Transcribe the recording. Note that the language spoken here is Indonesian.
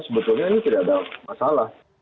sebetulnya ini tidak ada masalah